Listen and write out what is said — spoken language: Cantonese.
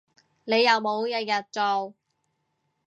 你有冇日日做